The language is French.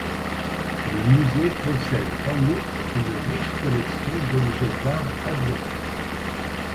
Le musée possède en outre une riche collection d’objets d'art asiatiques.